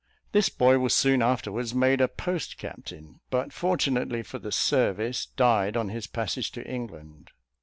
This boy was soon afterwards made a post captain; but fortunately for the service, died on his passage to England.